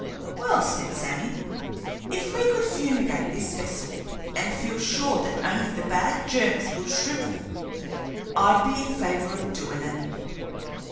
"Well," said Sammy, "if we could fumigate this vessel and feel sure that only the bad germs would shrivel, I'd be in favor of doin' it."